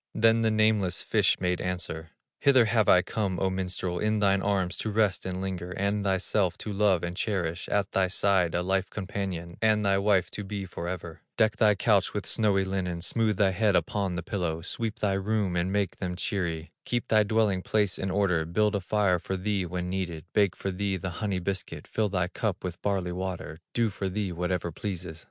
Thus the nameless fish made answer: "Hither have I come, O minstrel, In thine arms to rest and linger, And thyself to love and cherish, At thy side a life companion, And thy wife to be forever; Deck thy couch with snowy linen, Smooth thy head upon the pillow, Sweep thy rooms and make them cheery, Keep thy dwelling place in order, Build a fire for thee when needed, Bake for thee the honey biscuit, Fill thy cup with barley water, Do for thee whatever pleases.